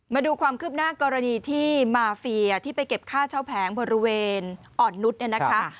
มาดูความคืบหน้ากรณีที่มาเฟียที่ไปเก็บค่าเช่าแผงบริเวณอ่อนนุษย์เนี่ยนะคะ